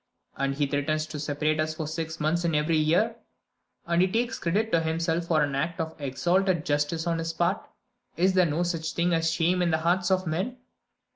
And he threatens to separate us for six months in every year! And he takes credit to himself for an act of exalted justice on his part! Is there no such thing as shame in the hearts of men?"